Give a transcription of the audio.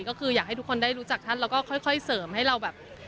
ก็คืออยากให้ทุกคนได้รู้จักท่านแล้วก็ค่อยเสริมให้เราแบบ